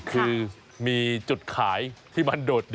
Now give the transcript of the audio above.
คือมีจุดขายที่มันโดดเด